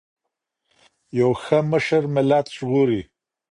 یو ښه مشر ملت ژغوري.